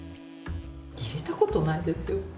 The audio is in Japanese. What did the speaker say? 入れたことないですよ。